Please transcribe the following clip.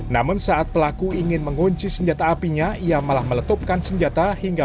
namun saat pelaku ingin mengunci senjata apinya ia malah meletupkan senjata hingga